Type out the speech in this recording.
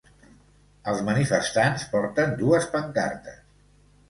Els manifestants porten dues pancartes.